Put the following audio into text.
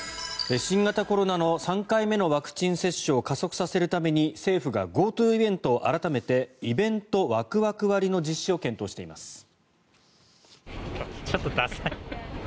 新型コロナの３回目のワクチン接種を加速させるために政府がＧｏＴｏイベントを改めてイベントワクワク割の実施を検討しています。